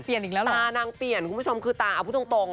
ตานางเปลี่ยนคุณผู้ชมคือตาอาภูตรง